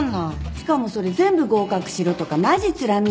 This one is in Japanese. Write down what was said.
しかもそれ全部合格しろとかマジつらみ。